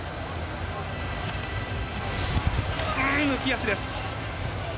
抜き足です。